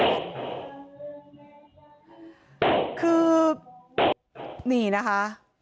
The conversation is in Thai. คือนี่นะคะ